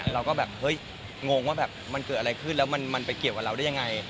เราก็แบบเฮ้ยงงว่าแบบมันเกิดอะไรขึ้นแล้วมันไปเกี่ยวกับเราได้ยังไง